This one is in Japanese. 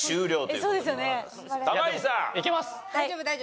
いけます。